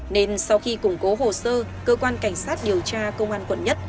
nên sau khi củng cố hồ sơ cơ quan cảnh sát điều tra công an quận một